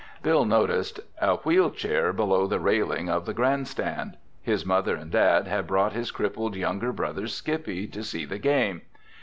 Bill noticed a wheel chair below the railing of the grandstand. His mother and dad had brought his crippled younger brother Skippy to see the game!